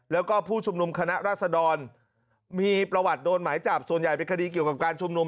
แล้วก็ผู้ชุมนุมคณะราษดรมีประวัติโดนหมายจับส่วนใหญ่เป็นคดีเกี่ยวกับการชุมนุม